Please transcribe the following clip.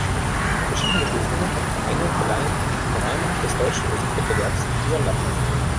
Verschiedene Stiftungen und Vereine verleihen im Rahmen des Deutschen Musikwettbewerbs Sonderpreise.